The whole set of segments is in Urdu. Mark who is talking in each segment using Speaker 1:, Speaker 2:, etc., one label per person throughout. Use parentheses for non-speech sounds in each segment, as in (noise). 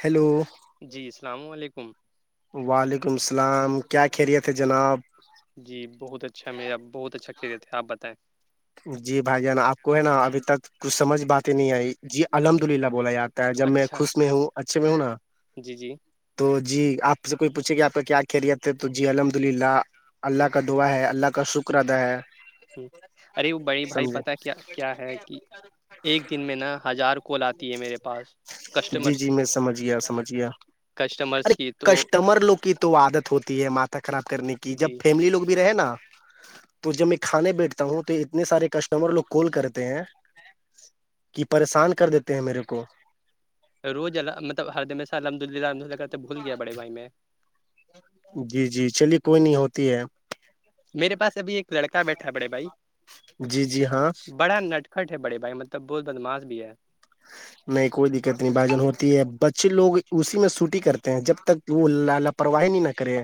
Speaker 1: ہیلو
Speaker 2: جی السلام علیکم
Speaker 1: وعلیکم السلام کیا خیریت ہے جناب
Speaker 2: جی بہت اچھا میرا بہت اچھا کھیل تھ ہے آپ بتائیں
Speaker 1: جی بھائی جانا آپ کو ہے نا ابھی تک کچھ سمجھ بات ہی نہیں آئی جی
Speaker 2: ہوں،
Speaker 1: الحمد للہ بولا جاتا ہے جب میں
Speaker 2: اچھا
Speaker 1: خوش میں ہوں اچھے میں ہوں نا
Speaker 2: جی جی
Speaker 1: تو جی آپ سے کوئی پوچھے گ آپ کا کیا خیریت ہے تو جی الحمد للہ
Speaker 2: ہ
Speaker 1: اللہ کا دعا ہے اللہ کا شکر ادا ہے
Speaker 2: ٹ (inaudible) ارے وہ بڑی بھائی پتا
Speaker 1: سمجھے
Speaker 2: کیا کیا ہے کہ ایک دن میں ن ہزار کول آتی ہے میرے پاس
Speaker 1: جی
Speaker 2: کسٹمرس
Speaker 1: جی میں سمجھیا سمج گیا
Speaker 2: کسٹمرس
Speaker 1: ارے
Speaker 2: کی تو
Speaker 1: کسٹمر لوگ کی تو تو وہ عادت ہوتی ہے ماتا خراب کرنے کی جب
Speaker 2: جی
Speaker 1: فیملی لوگ رہے نا تو جب میں کھانے بیٹھتا ہوں تو تو اتنے سارے کسٹمر لوگ کال کرتے ہیں کہ پریشان کر دیتے ہیں میرے کو
Speaker 2: روز اللہ مطلبرم سے الحمد للہ الحمد للہ کرتے بھول گیا بڑے بھائی میں
Speaker 1: جی جی چلیے کوئی نہیں ہوتی ہے
Speaker 2: میرے پاس ابھی ایک لڑکا بیٹھا ہے بڑے بھائی
Speaker 1: جی جی ہاں
Speaker 2: بڑا نٹکھٹ ہے بڑے بھائی مطلب بہت بدماس بھی ہے
Speaker 1: نہیں کوئی دقت نہیں بھجن ہوتی ہے بچے لوگ اسی میں سوٹی کرتے ہیں جب تک وہ ل لاپرواہی نہیں نہیں کریر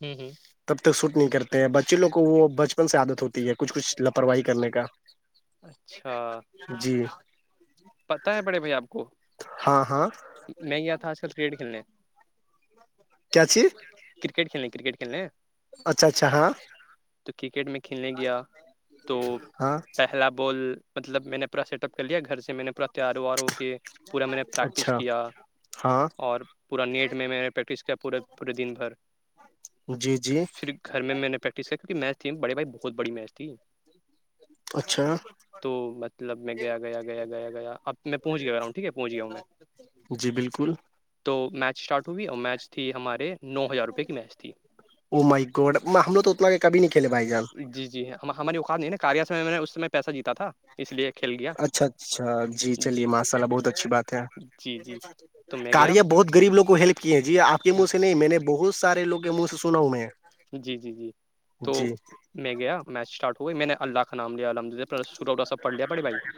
Speaker 2: ہ ہ
Speaker 1: تب تک سوٹ نہیں کرتے ہیں بچے لوگ کو وہ بچپن سے عادت ہوتی ہے کچھ کچھ لاپرواہی کرنے کا
Speaker 2: اچھا
Speaker 1: جی
Speaker 2: پتہ ہے بڑے بھائی آپ کو
Speaker 1: ہاں ہاں
Speaker 2: میں گیا تھا آج کل کرکٹ کھیلنے
Speaker 1: کیا چی (inaudible)
Speaker 2: کرکٹ کھیلنے ک کرکٹ کلنے
Speaker 1: اچھا اچھا ہاں
Speaker 2: تو کرکٹ میں کھیلنے گیا تو
Speaker 1: ہاں
Speaker 2: پہلا بال مطلب میں نے پورا سیٹ اپ کر لیا گھر سے میں نے پورا تیار وار ہو کے پورا میں نے پریکٹس
Speaker 1: اچھا
Speaker 2: کیا
Speaker 1: ہاں
Speaker 2: اور پورا نیٹ میں میں نے پریکٹس کیا پورے پورے دن بھر
Speaker 1: جی جی
Speaker 2: پھر گھر میں نے پریکٹس کیا کیونک میچ تھیڑ بہت بڑیچ تھی (inaudible)
Speaker 1: اچھا
Speaker 2: تو مطلب میں گیا گیا گیا گیا گیا (inaudible) میں پہنچ گیا ہو رہا ہوں ٹھیک ہے پہنچ گیا ہوں میں
Speaker 1: جی بالکل
Speaker 2: تو میچ اسٹارٹ تو بھی میچ تھی ہمارے نو ہزار روپے کی میچ تھی
Speaker 1: ا مائک گوڈ ہم لو تو اتنا کہ کبھی نہیں کھیے بھائی جان
Speaker 2: جی جی ہاں ہم ہماری اوقات نہیں ہے نا کاریا سے میں نے اس میں پیسہ جیتا تھا اس لیے کھیل گیا
Speaker 1: اچھا اچھا جی چلیے ماشاء اللہ بہت اچھی بات ہے
Speaker 2: جی جی تو میں گیا
Speaker 1: کاریاں بہت گغریب لووں کو ہیلپ کیے ہیں جی آپ کے منہ سے نہیں میں نے بہت سارےوگ کے منہ سے سنا ہوں میں
Speaker 2: جی جی جی تو
Speaker 1: جی
Speaker 2: میں گیا میچ اسٹارٹ ہوئی میں نے اللہ کا نام لالم سٹوٹاا پڑ ل پڑے بھائی (inaudible)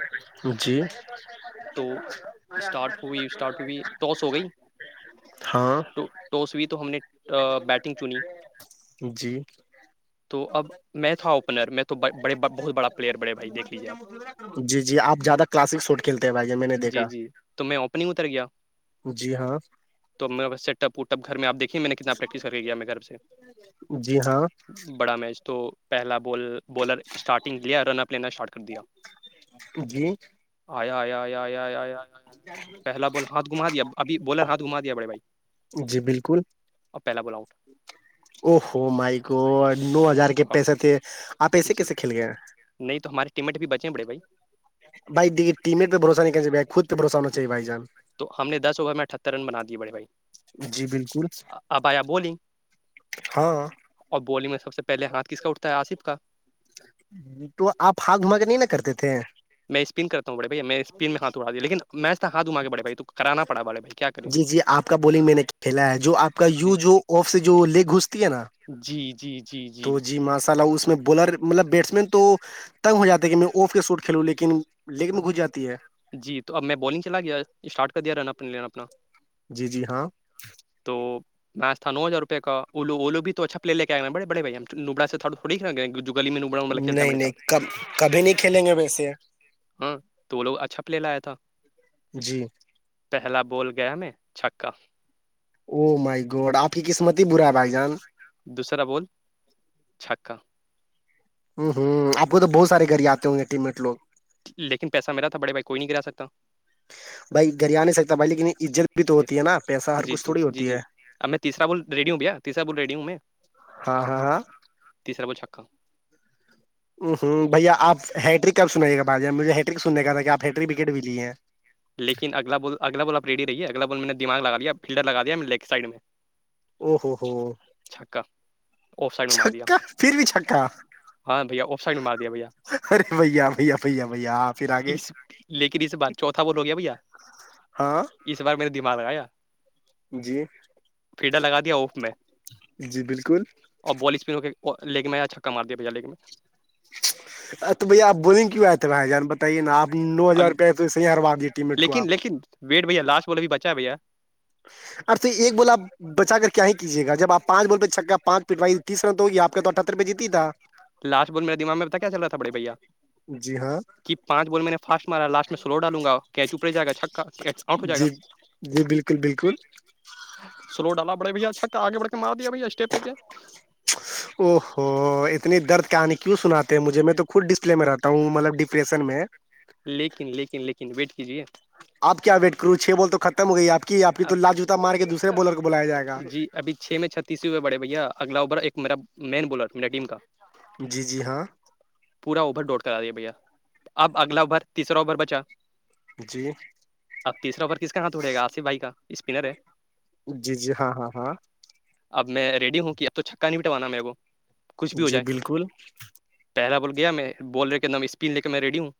Speaker 2: تو
Speaker 1: مرے
Speaker 2: اسٹارٹ ہوئی اسٹارٹ ہوئی
Speaker 1: (inaudible) ہاں
Speaker 2: ٹو ٹاس ہوئی تو ہم نے بیٹنگ چنی
Speaker 1: جی
Speaker 2: تو اب میں تھا اوپنر میں توڑ بہت بڑا پلیئر بڑے بھائی دیکھ لیجیے آپ
Speaker 1: جی جی آپ زیادہ کلاسک سوٹ کھیلتے ہیں بھائی میں نے
Speaker 2: جی
Speaker 1: دیکھا
Speaker 2: جی تو میں اوپنگ اتریا
Speaker 1: جی ہاں
Speaker 2: تو میں سیٹ اپ اوٹ اپ گھر میں آپ دیکھیے میں نے کتنا پریکٹس کر کے کیا میں گھر سے
Speaker 1: جی ہاں
Speaker 2: بڑا میچ تو پہلا بال بالر اسٹارٹنگ گل رن اپ لینر شارٹ کر دیا
Speaker 1: جی
Speaker 2: آ آ آ آ آ (inaudible) ابھی بالر ہاتھ گھما
Speaker 1: (unintelligible) جی بالکل
Speaker 2: اور پہلا ب آؤٹ
Speaker 1: او ہو مائک نو ہزار کے
Speaker 2: ہاں
Speaker 1: پیسے تھے آپ ایسے
Speaker 2: جی
Speaker 1: کیسے کھیل گئے ہیں
Speaker 2: نہیں تو ہماراری ٹیمٹ بھی بچیں بڑے بھائی
Speaker 1: بائی دیکھی ٹیمٹ پہ بوسہ نہیں کر بھائی خود پہ بھروسہ ہونا چاہیے بھائی جان
Speaker 2: تو ہم نے دس اوور میں اٹھتر رن بنا دییاے بڑے بھائی
Speaker 1: جی بالکل
Speaker 2: ابیا بولی
Speaker 1: ہاں
Speaker 2: اور بولی میں سب سے پہلے ہاتھ کس کا اٹھتا ہے آصف کا
Speaker 1: تو آپ ہ گھما کے نہیں نا کرتے تھے
Speaker 2: میں اسپن کرتا ہوں بڑےھائی میں اسپن میں ہاتھ اڑایا لیکنیچ تو ہاتھا کے بڑے بائی تو کراناڑاڑے بائی
Speaker 1: جی جی آپ کا بالنگ میں نے کھیلا ہے جو آپ کا
Speaker 2: جی
Speaker 1: یو جو آف سے جو لیگ گھستی ہے نا
Speaker 2: جی جی جی
Speaker 1: تو جی ماشاء اللہ اس میں بولر مطلب بیٹس مین تو تنگ ہو جاتا ہے کہ میں آف کے سوٹ کھیلوں لیکن لیگ
Speaker 2: ہاں
Speaker 1: میں گھس جاتی ہے
Speaker 2: جی تو اب میں بالنگ چلا گیا اسٹارٹ کر دیا رن اپ اپنا
Speaker 1: جی جی ہاں
Speaker 2: تو ناسہ نو ہزار روپ کا او اولو بھی تو اچھا پے کےئے بے بڑے بھا سے تھوی گلی م میں ا بڑا والا کلتا ہے میں
Speaker 1: نہیں
Speaker 2: نے چل
Speaker 1: نہیں کب کبھی نہیں کھیلیں گے ویسے
Speaker 2: ہاں تو وہ لوگ اچھا پلے لایا تھا
Speaker 1: جی
Speaker 2: پہلا بول گیا میں چھکا
Speaker 1: او مائی گوڈ آپ کی قسمت ہی برا ہے بھائی جان
Speaker 2: دوسرا بول چھکا
Speaker 1: ہوں ہوں آپ کو تو بہت سارے گھر آتے ہوں گے ٹیمٹوگ
Speaker 2: لیکن پیسہ میرا تھا بڑے بھائی کوئی نہیں گ کرا سکتا
Speaker 1: بھائی گھر آ نہیں سکتا بھائی لیکن عزت بھی تو ہوتی ہے نا پیسہ ہر
Speaker 2: جی
Speaker 1: کچھ
Speaker 2: جی
Speaker 1: تھوڑی
Speaker 2: جی
Speaker 1: ہوتی
Speaker 2: جی
Speaker 1: ہے
Speaker 2: اب میں تیر بول ری ہوں بیایر بول ری ہوں میں
Speaker 1: ہاں ہاں ہاں
Speaker 2: تیسرا بول چھکا
Speaker 1: ہ ہوں بھیا آ ہیٹرک کب سنائیے گا بار مجھ ہیٹرک سننے کا تھا کہ آپ ہیٹرک وکٹ بھی لیے ہیں
Speaker 2: لیکن اگلا بال اگلا بال آ ریےگلا بال میں نے دا لگایا فلڈر لگایا میں لیگ سائڈ میں
Speaker 1: او ہو ہو
Speaker 2: چھکا آف سائڈ میں مار دیا
Speaker 1: چکا پھر بھی چھکا
Speaker 2: ہاں بھیا آف سائڈ میں مار دیا بھیا
Speaker 1: ارے بھیا بھیا بھیا بھیا ہ پھر آگے
Speaker 2: اس لیکن اس بات چوتھا بول ہو گیا بھیا
Speaker 1: ہاں
Speaker 2: اس بار میرے دماغ آیا
Speaker 1: جی
Speaker 2: لگا دیا آف میں
Speaker 1: جی بالکل
Speaker 2: اور بال اسپن کے لیگ میں یا چھکا مار دیا بھیا لیگ میں
Speaker 1: ا تو بھیا آپ بولیں کیوں آئے تھے بھائی جان بتائیے ناپ نو
Speaker 2: میں
Speaker 1: ہزار روپئے تو ص ہروا دیے ٹیم میٹ کو
Speaker 2: لیکن
Speaker 1: آپ
Speaker 2: لیکن ویٹ بھیا لاسٹ والولے بھی بچا ہے بھیا
Speaker 1: اب تو ایک بول آپ بچا کر کیا ہی کیجیے گ جب آپ پانچ بالول پہ چکا پانچ پٹوائی تسرا تو یہ آ کا تو اٹھہتر روپئے جیتی تھا
Speaker 2: لاس بول میرے دما میں پتا کیا چل رہا تھا بڑے بھیا
Speaker 1: جی ہاں
Speaker 2: کہ پانچ بال میں نے فاسٹ مارا لاسٹ میں سلو ڈالوں گا کیچ اپرے جائے گا چھکا آؤٹ ہو جائے گا
Speaker 1: جی جی بالکل بالکل
Speaker 2: سلو ڈالا بڑے بھیا اچھا کا آگے بڑھ کے مار دیا بھیا اسٹیپ لے کے
Speaker 1: او ہوو اتنی درد کہانی کیوں سناتے ہیں مجھے میں تو خود ڈسپلے میں رہتا ہوں مطلب ڈپریشن میں
Speaker 2: لیکن لیکن لیکن ویٹ کیجیے
Speaker 1: آپ کیا ویٹ کروں چھ بال تو ختم ہو گئی ہے آ کی آپ کی تو
Speaker 2: اب
Speaker 1: لاال جوتا مار کے دوسرے بالر کو بلایا جائےاگا
Speaker 2: ابھیھ میں چھتیسوور بڑھے بھیا اگلا اوور ایک میرا مین بالر میرا ٹیم کا
Speaker 1: جی جی ہاں
Speaker 2: پورا اوور ڈوٹ کرا دے بھیا اب اگلا اوور تیسرا اوور بچا
Speaker 1: جی
Speaker 2: اب تیر اوور کس کا ہاتھ اڑے گ آاف بائی کا اسپنر ہے
Speaker 1: جی جی ہاں ہاں ہاں
Speaker 2: اب میں ریڈی ہوں کی اب چکا نہیں بٹوانا میرے کو کچھ بھی ہو
Speaker 1: جی
Speaker 2: جائے
Speaker 1: بالکل
Speaker 2: پہلا بول گیا میں بول رہے کہ نام اسپین لے کے میں ریڈی ہوں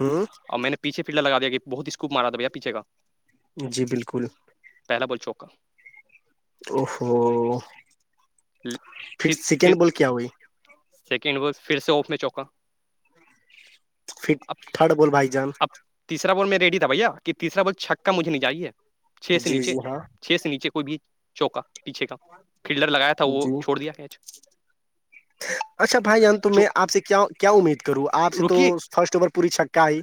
Speaker 1: ہوں
Speaker 2: اور میں نے پیھے پھ لایا کہ بہت اسکو مارا تھا بیا پیچے کا
Speaker 1: جی بالکل
Speaker 2: پہلا بل چوک کا
Speaker 1: ا ہفہو
Speaker 2: پھر پھر
Speaker 1: کیا ہوئی
Speaker 2: سیکنڈ و پھر سے آف میں چوکا
Speaker 1: ف
Speaker 2: اب
Speaker 1: تھڑا بول بھائی جان
Speaker 2: اب تیسرا بال میں ریڈی تھا بھیا کہ تیسرا بال چھکا مجھے نہیں جاہے چھ سے
Speaker 1: جی
Speaker 2: نیچے
Speaker 1: جی ہاں
Speaker 2: چھ سے نیچے کوئی بھی چوکا پیچھے کا کلڈر لگایا تھا وہ
Speaker 1: جی
Speaker 2: چھوڑ دیاچ
Speaker 1: اچھا بھائی تو میں آپ سے کیا کیا امید کروں آپ سے تو
Speaker 2: رکیے
Speaker 1: فرسٹ اوور پوری چکا آئی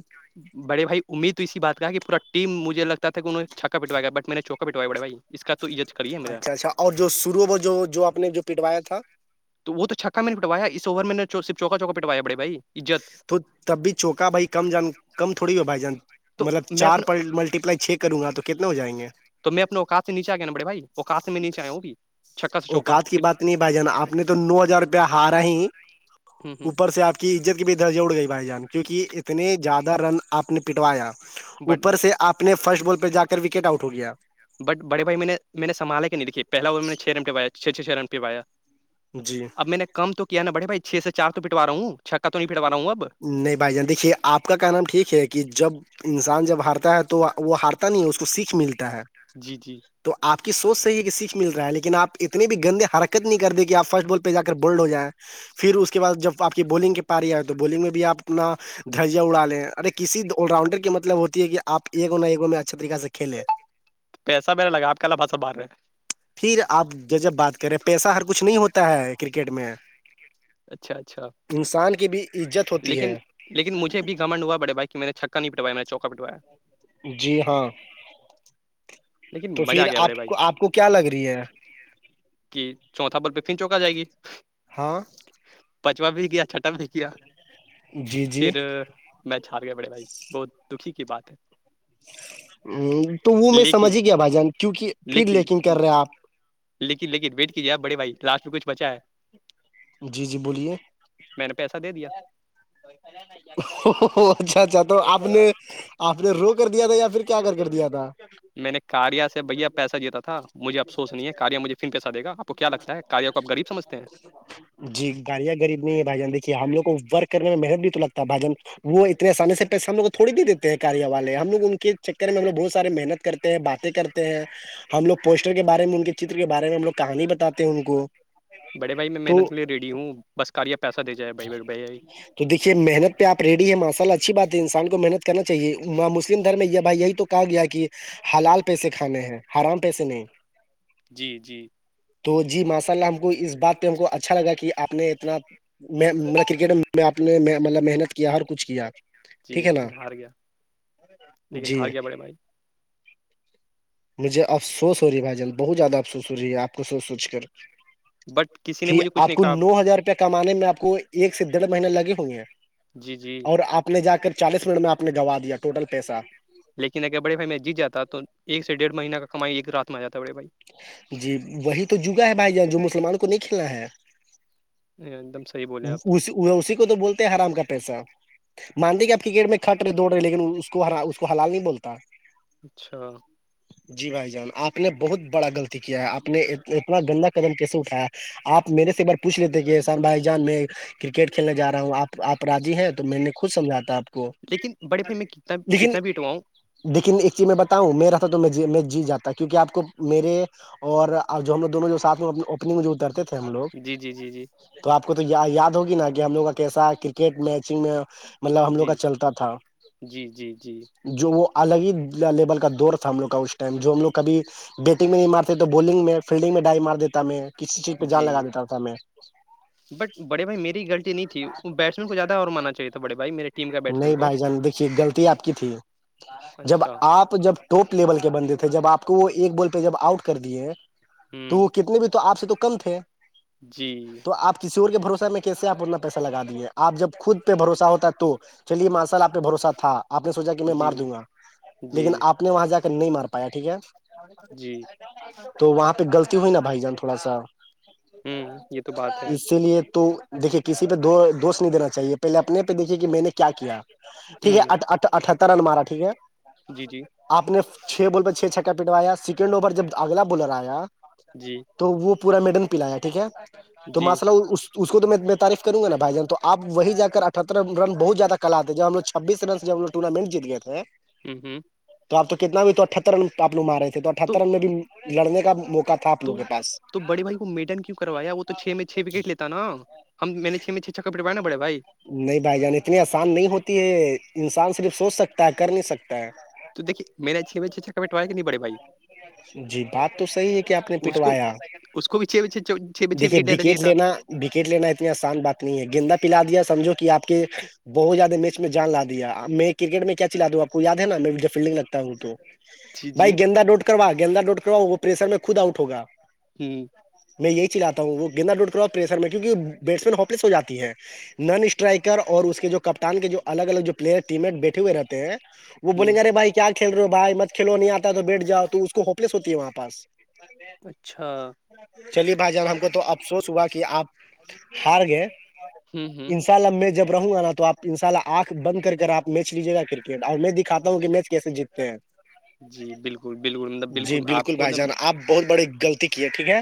Speaker 2: بڑے بھائی امید تو اسی بات کا کہ پورا ٹیم مجھے لگتا کہ انہوں چھکا پٹاائے گ بٹ میں نے چکا پٹوایا بڑے بھائی اس کا تو عزت کریے میرا
Speaker 1: اچھا اچھا اور جو شرو وہ جو جو آپ نے جو پٹوایا تھا
Speaker 2: تو وہ تو چھکا میں نے پٹویا اسوور میں نےر چوکا چوک پٹوایاڑے بھائی عزت
Speaker 1: تو تب بھی چوکا بھائی کم جان کم تھوڑی ہو بھائی جان
Speaker 2: تو
Speaker 1: مطلب
Speaker 2: میں
Speaker 1: چار
Speaker 2: اپنا
Speaker 1: ملٹیپلائی چھ کروں گا تو کتنے ہو جائیں گے
Speaker 2: تو میں اپنے اوقات نیے گیا ن بڑے بھائی اوقات میں نچے آئے ہوں بھی چھکا سے چوکا
Speaker 1: اوقات کی
Speaker 2: پھر
Speaker 1: بات نہیں بھائی جان آپ نے تو نو ہزار روپیہ ہارا ہی
Speaker 2: ہ ہ
Speaker 1: اوپر سے آپ کی عزت کی بھی درج اٹ گئی بھائی جان کیوںکہ اتنے زیادہ رن آپ نے پٹوایا
Speaker 2: بٹ
Speaker 1: اوپر سے آپ نے فرسٹ بال پہ جا کر وکٹ آؤٹ ہو گیا
Speaker 2: بٹ بڑے بھائی میں نے میں نے سنبالا کہ نہیں دکھے پہلا وہ میں نے چھ رن پہوایا چھ چھ چھ رن پہ پایا
Speaker 1: جی
Speaker 2: اب میں نے کم تو کیا ن بڑے بائی چھ سے چار تو پٹارا ہوں چھ کا تو نہیں پٹوا راہوں اب
Speaker 1: نہیں بھائی جان دیکھیے آپ کا کا نام ٹھیک ہے کہ جب انسان جب ہارتا ہے تو وہ ہارتا نہیں ہے اس کو سیکھ ملتی
Speaker 2: جی جی
Speaker 1: تو آپ کی سوچ صحی ہے کہ سیکھ مل رہا ہے لیکن آپ ات بھی گندے حرکت نہیں کر دیں کہ آپ فسٹ بال پہ جا کر بولڈ ہو جائیں پھر اس کے بعد جب آپ کی بالنگ کے پاری آئے تو بولنگ میں بھی آپ اپنا درجیہ اڑا لیں ارے کسی آلراؤنڈر کی مطلب ہوتی ہے کہ آ ایک نہ ایک میں اچھا طریے سے کھیلے
Speaker 2: پیسا میرا لگ آپ کیا لابا سا بار رہے
Speaker 1: پھر آپ جب جب بات کریں پیسہ ہر کچھ نہیں ہوتا ہے کرکٹ میں
Speaker 2: اچھا اچھا
Speaker 1: انسان کے بھی عزت ہوتی
Speaker 2: لیکن
Speaker 1: ہے
Speaker 2: لیکن مجھے بھی گمنڈ ہوا بڑے بھائی کہ میں نے چکا نہیں پٹوایا میں نے چوکا پٹوایا
Speaker 1: جی ہاں
Speaker 2: لیکن
Speaker 1: تو
Speaker 2: مزہ آ
Speaker 1: پھر
Speaker 2: گیا بڑے
Speaker 1: آپ
Speaker 2: بھائی
Speaker 1: کو آپ کو کیا لگ رہی ہے
Speaker 2: کہ چوتھا پر پفن چوک آ جائے گی
Speaker 1: ہاں
Speaker 2: پچواں بھی گیا چھٹا بھی بھی گیا
Speaker 1: جی جی
Speaker 2: پھر میں چھار گیا بڑے بھائی بہت دکھی کی بات ہے
Speaker 1: تو وہ میں سمجھ
Speaker 2: لیکن
Speaker 1: ہی گیا بھائی جان کیوںکہ پھر لیکن کر رہے آپ
Speaker 2: لیکن لیکن ویٹجیے آ بے بائی لاٹ میں کچ بچا ہے
Speaker 1: جی جی بولیے
Speaker 2: میں نے پیسہ دے دیا
Speaker 1: پ اچھا اچھا تو آپ نے آپ نے رو کر دیا تھا یا پھر کیا کر کر دیا تھا
Speaker 2: میں نے کاریا سے بھیا پیسہ جیتا تھا مجھے افسوس نہیں ہے کاریا مجھے پھر پیسہ دے گا کیا لگتا ہے کاریوں کو آ غریب سجھتے ہیں
Speaker 1: جی گاڑیاں غریب نہیں ہے بھائی جان دیکھیے ہم لگ کو ورک نے میں محنت بھی تو لگتا بھاجن وہ اتنے آسانی سے پیسے ہم لگ کو تھوڑی د دیتے ہیں کیا والے ہم لوگ ان کے چکر میں ہم بہت سے محنت کرتے ہیں باتیں کرتے ہیں ہم لوگ پوسٹر کے بارے میں ان کے چر کے بارے میں ہم لگ کہانی بتاتے ہیں ان کو
Speaker 2: بڑے بھائی میں
Speaker 1: تو
Speaker 2: محنت کے لیے ریڈی ہوں بس کار یا پیسہ دے جائے بھائی بھائی بھ بھائی
Speaker 1: تو دیکھیے محنت پہ آپ ریڈی ہے ماشء ال اچھی بات ہے انسان کو محنت کرنا چاہے مسلم دھرم میں ہے بھائی یہی تو کہا گیا کہ حلال پیسے کھانے ہیں ہرام پیسے نہیں
Speaker 2: جی جی
Speaker 1: تو جی ماشاء اللہ ہم کو اس بات پہ ہم کو اچھا لگا کہ آپ نے اتنا میں کرکٹ میں آپ نے مطلب محنت کیا ہر کچھ کیا
Speaker 2: جی
Speaker 1: ٹھیک ہے نا
Speaker 2: لیکن ہار گیا لیکن
Speaker 1: جی
Speaker 2: ہار گیا بڑے بائی
Speaker 1: مجھےفسوس ہو رہی بائیجل بہت زیادہ افوس رہی آپ کو سوچ سوچ کر
Speaker 2: بٹ کسی نے
Speaker 1: کہ
Speaker 2: مجھے کچھ
Speaker 1: آپ
Speaker 2: نہیں
Speaker 1: کو
Speaker 2: کہا
Speaker 1: نو ہزار روپئے کمانے میں آپ کو ایک سے ڈیڑھ مہینے لگے ہووں گے ہیں
Speaker 2: جی جی
Speaker 1: اور آپ جا کر چالیس منٹ میں آپ نے گنوایا ٹوٹل پیسہ
Speaker 2: لیکن اگر بڑے بھائی میں جیت جاتا تو ایک سے ڈیڑھ مہینہ کا کمائی ایک رات میں جاتا ہے بڑے بھائی
Speaker 1: جی وہی تو جگا ہے بھائی جاں جو مسلمانوں کو نہیں کھیلنا ہے
Speaker 2: ایک دم صحیح بولے آپ
Speaker 1: وہ اسی کو تو بولتے ہیں آرام کا پیسہ مانڈی کا کرکٹ میں کھٹ رہے دوڑ رہے لیکن اس کو اس کو حلال نہیں بولتا
Speaker 2: اچھا
Speaker 1: جی بھائی جان آپ نے بہت بڑا گغلط کیا آپ نے اتنا گندا قدم کیسے اٹھایا آپ میرے سے ایک بار پوچھ لیتے کہ شان بھائی جان میں کرکٹ کھیلنے جا رہا ہوں آپ آپ رضی ہیں تو میں نے خود سمجھا تھا آپ کو
Speaker 2: لیکن بڑے بھائی میں کتنا
Speaker 1: لیکن
Speaker 2: کتنا بی اٹواؤں
Speaker 1: لیکن ایک چیز میں بتاؤں میرا تھا تو میں میں جیت جاتا کیونکہ آپ کو میرے اورب جو ہم لگ دونوں جو ساتھ میں اوپنگ میں جو اترتے تھے ہم لوگ
Speaker 2: جی جی جی
Speaker 1: تو آپ کو تو یاد ہوگی نا کہ ہم لوگ کا کیسا کرکٹ میچگ میں مطلب ہم لوگ کا
Speaker 2: جی
Speaker 1: چلتا تھا
Speaker 2: جی جی جی
Speaker 1: جو وہ الگ ہی لیول کا دور تھا ہم لوگ کا اس ٹائم جو ہم لوگ کبھی بیٹنگ میں نہیں مارتے تو بالنگ میں فیلڈنگ میں ڈائی مار دیتا میں کسی چیز پہ جان
Speaker 2: جی
Speaker 1: لگ دیتا تھا میں
Speaker 2: بٹ بڑے بھائی میری غلطی نہیں تھی بیٹسمین کو زیادہ اور ماننا چاہیے تھا بڑے بھائی میرے ٹیم کا بیٹسمین
Speaker 1: نہیں
Speaker 2: کو
Speaker 1: بھائی جان دیک غلط آپ کی تھی جب
Speaker 2: اچھا
Speaker 1: آپ جب ٹاپ لیول کے بندے تھے جب آپ وہ ایک بال پہ جب آؤٹ کر دیے
Speaker 2: ہوں
Speaker 1: تو کتنے بھی تو آپ سے تو کم تھے
Speaker 2: جی
Speaker 1: آ کسی اور کے بھروسہ میں کیسے آپ اپنا پیسہ لگا دیے آپ جب خود پہ بھروسہ ہوتا ہے تو چلیے ماشاال آپ پہ بھروسہ تھا آپ نے سوچا کہ میں مار
Speaker 2: جی
Speaker 1: دوں گا
Speaker 2: جی
Speaker 1: لیکن آپ نے وہاں جا کر نہیں مار پایا ٹھیک ہے
Speaker 2: جی
Speaker 1: تو وہاں پہ غلطی ہوئی نا بھائی جان تھوڑا سا
Speaker 2: ہوں یہ تو بات ہے
Speaker 1: اسی لیے تو دیکھیے کسی پہ دوست نہیں دینا چاہیے پہلے اپنے پہ دیکھیے کہ میں نے کیا کیا ٹھیک ہے
Speaker 2: ہوں
Speaker 1: اٹھتر رن مارا ٹھیک ہے
Speaker 2: جی جی
Speaker 1: آپ نے چھ بول پہ چھ چھ کٹ پٹوایا سیکنڈ اوور جب اگلا بالر آیا
Speaker 2: جی
Speaker 1: تو وہ پورا میڈل پلایا ٹھیک ہے تو
Speaker 2: جی
Speaker 1: ماسءلہ اس کو تو میں ب تعریف کروں گا بھائی جان تو آپ وہی جا کر اٹھتر رن بہت زیادہ کل تھاے جب ہمو چھبیسن جب ہمو ٹورنامنٹ جی گئے تھے
Speaker 2: ہوں ہوں
Speaker 1: تو آپ تو کتنا بھی تو اٹھتر رن آ لوگار رہے تو اٹھتر رن میں بھی لڑنے کا موقع تھا آپ
Speaker 2: تو
Speaker 1: لوگوں کے پاس
Speaker 2: تو بڑے بھائی میڈن کیوں کروایا وہ تو چھ میں چھ وکٹ لیتا نا ہم میں نے چھ میں چھ چک کپ لٹوائے نا بڑے بھائی
Speaker 1: نہیں بھائی جان اتنی آسان نہیں ہوتی ہے انسان صرف سوچ سکتا ہے کر نہیں سکتا ہے
Speaker 2: تو دیکے میرے چھے چھ چھ ک پٹوا کہ نہیں بڑے بھائی
Speaker 1: جی بات تو صحیح ہے کہ آپ نے
Speaker 2: اس کو
Speaker 1: پٹوایا
Speaker 2: اس کو پچھے پچھ چھ
Speaker 1: دیکھیے
Speaker 2: چھپکٹااہیے
Speaker 1: وکٹ لینا وکٹ لینا اتنی آسان بات نہیں ہے گیندا پلا دیا سمجھو کہ آپ کے بہت زیادہ میچ میں جان لا دیاب میں کرکٹ میں کیا چلا دوں آپ کو یاد ہے نا میں جب فیلڈنگ لگتا ہوں تو
Speaker 2: جی جی
Speaker 1: بھائی گندا ڈوٹ کروا گندا ڈوٹ کروا وہ پریشر میں خود آؤٹ ہوگا
Speaker 2: ہ
Speaker 1: میں یہی چلتا ہوں وہ گندا ڈڈ کر اور پر پریشر میں کیکہ بیٹسین ہوپلس ہواتی ہے نن اسٹرائکر اور اس کے جو کپتان کے جو الگ الگ جو پلیئر ٹیم میں بیٹھے ہوئے رہتے ہیں وہ بول
Speaker 2: ہ
Speaker 1: گے اےھائی کیا کھی رہے ہو بھائی مت کھیلو نہیں آتا تو بیٹھ جا تو اس کو ہوپ لیس ہوتی ہے وہاں پاس
Speaker 2: اچھا
Speaker 1: چلیے بھائی جان ہم کو تو افسوس ہوا کہ آپ ہار گ
Speaker 2: ہ ہ
Speaker 1: انس لمب میں جب رہوں گا نا تو آپ ان شاء اللہ آنکھ بند کر آپ میچ لیجیےا کرکٹ اور میں دکھاتا ہوں کہ میچ کیسے جیتتے ہیں
Speaker 2: جی بالکل بالکل مطلب
Speaker 1: جی
Speaker 2: آپ
Speaker 1: بالکل
Speaker 2: کو ایک
Speaker 1: بھائی جان آپ بہت بڑی غلطی کیے ٹھیک ہے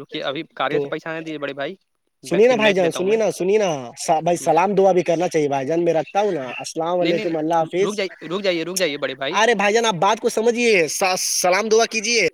Speaker 2: رکے ابھی کاریوں سے پیسہ آنے دیجے بڑے بھائی میں
Speaker 1: سنی نا
Speaker 2: پھر
Speaker 1: بھائی
Speaker 2: میچ
Speaker 1: جان
Speaker 2: لیتا ہوں
Speaker 1: سنی
Speaker 2: میں
Speaker 1: نا سنی نا بھائی
Speaker 2: ہ
Speaker 1: سلام دعا بھی کرنا چاہیے بھائی جان میں رکھتا ہوں نا السلام
Speaker 2: نہیں نہیں
Speaker 1: علیکم اللہ
Speaker 2: نہیں رک
Speaker 1: حافظ
Speaker 2: جائیے رک جائیے رک جائیے بڑے
Speaker 1: ارے بھائی جان آپ بات کو سمجھیے سلام دعا کیجیے